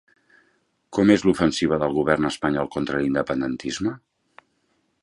Com és l'ofensiva del govern espanyol contra l'independentisme?